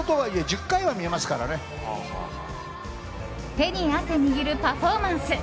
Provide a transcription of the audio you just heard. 手に汗握るパフォーマンス。